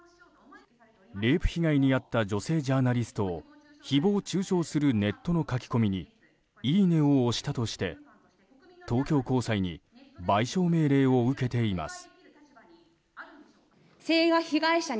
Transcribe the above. レイプ被害に遭った女性ジャーナリストを誹謗中傷するネットの書き込みにいいねを押したとして東京高裁に賠償命令を受けています。